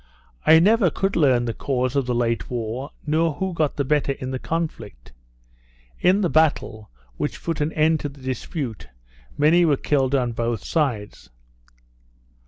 I never could learn the cause of the late war, nor who got the better in the conflict. In the battle, which put an end to the dispute, many were killed on both sides.